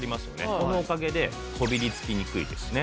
このおかげでこびりつきにくいですね。